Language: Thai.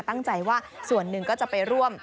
ตั้งใจว่าส่วนหนึ่งก็จะไปร่วม